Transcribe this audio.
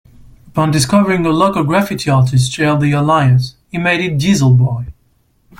Upon discovering a local graffiti artist shared the alias, he made it Dieselboy.